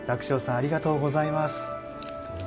ありがとうございます。